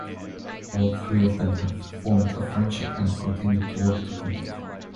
All three of them have formed a friendship and continued to work together.